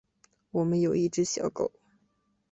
我们有一只小狗